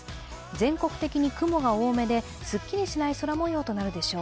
全国的に雲が多めで、すっきりしない空模様となるでしょう。